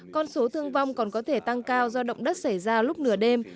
con số thương vong còn có thể tăng cao do động đất xảy ra lúc nửa đêm